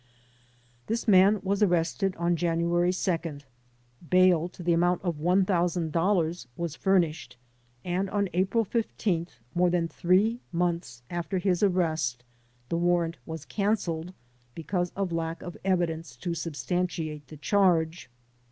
This man was arrested on January 2nd. Bail to the amount of $1,000 was furnished and on April 15th, more than three months after his arrest, the warrant was can celled because of lack of evidence to substantiate the charge.